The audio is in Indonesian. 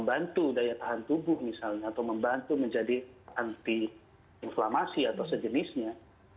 membantu daya tahan tubuh misalnya atau membantu menjadi anti inflamasi atau sejenisnya